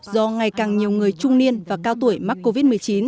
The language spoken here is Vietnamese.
do ngày càng nhiều người trung niên và cao tuổi mắc covid một mươi chín